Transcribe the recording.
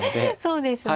そうですね。